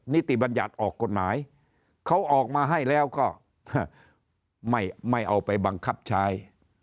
ติบัญญัติออกกฎหมายเขาออกมาให้แล้วก็ไม่เอาไปบังคับใช้